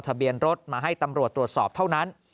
ทะเบียนรถมาให้ตำรวจตรวจสอบเท่านั้น